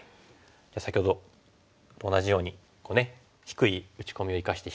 先ほどと同じようにこうね低い打ち込みを生かしてスベっていきます。